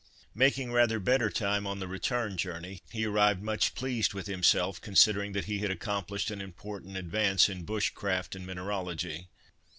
Making rather better time on the return journey, he arrived much pleased with himself, considering that he had accomplished an important advance in bush craft and mineralogy.